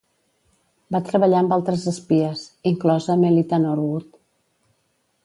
Va treballar amb altres espies, inclosa Melita Norwood.